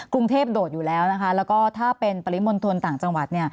กรุงเทพโดดอยู่แล้วนะคะแล้วก็ถ้าเป็นปริมณฑลต่างจังหวัด